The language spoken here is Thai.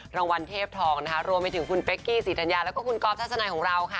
รางวัลเทพทองนะคะรวมไปถึงคุณเป๊กกี้ศรีธัญญาแล้วก็คุณก๊อฟทัศนัยของเราค่ะ